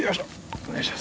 お願いします。